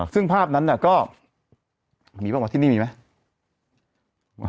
ซึ่งภาพนั้นเนี่ยก็มีบ้างไหมที่นี่มีไหม